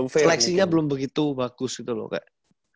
seleksinya belum begitu bagus gitu loh kak